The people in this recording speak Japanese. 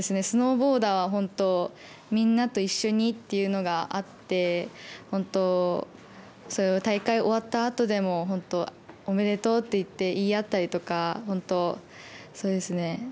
スノーボーダーは本当、みんなと一緒にというのがあってそれは大会終わったあとでも本当おめでとうと言い合ったりとかそうですね。